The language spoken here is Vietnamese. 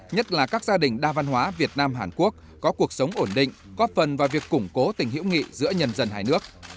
nhất là các gia đình đa văn hóa việt nam hàn quốc có cuộc sống ổn định góp phần vào việc củng cố tình hiểu nghị giữa nhân dân hai nước